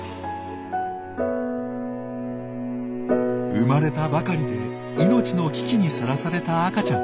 生まれたばかりで命の危機にさらされた赤ちゃん。